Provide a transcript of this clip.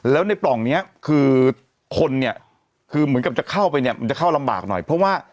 แล้วในปล่องนี้คือคนเนี่ยคือเหมือนกับจะเข้าไปเนี่ยมันจะเข้าลำบากหน่อยเพราะว่า